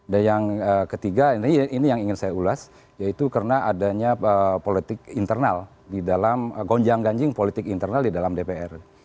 yang ketiga ini yang ingin saya ulas yaitu karena adanya politik internal di dalam gonjang ganjing politik internal di dalam dpr